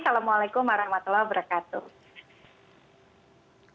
assalamualaikum warahmatullahi wabarakatuh